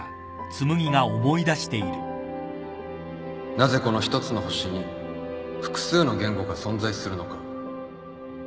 「なぜこの一つの星に複数の言語が存在するのか」